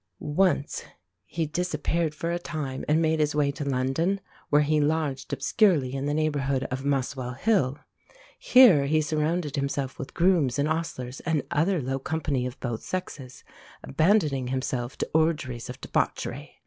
Once he disappeared for a time, and made his way to London, where he lodged obscurely in the neighbourhood of Muswell Hill. Here he surrounded himself with grooms and ostlers, and other low company of both sexes, abandoning himself to orgies of debauchery.